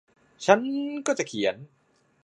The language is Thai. ฉันก็จะเขียน